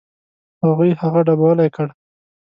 هغوی هغه ډبولی کړ.